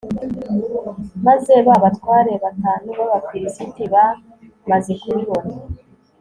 maze ba batware batanu b'abafilisiti bamaze kubibona